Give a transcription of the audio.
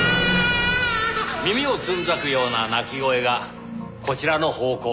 耳をつんざくような泣き声がこちらの方向から。